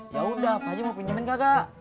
yaudah pak haji mau pinjemin kakak